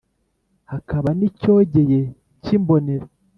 hakaba n’ icyogeye cy’ imbonera,